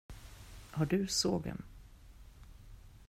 Har du sågen?